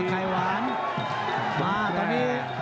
ไข่หวานมาตอนนี้